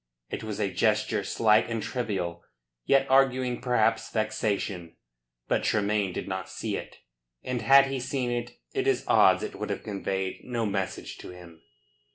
It was a gesture slight and trivial, yet arguing perhaps vexation. But Tremayne did not see it, and had he seen it, it is odds it would have conveyed no message to him.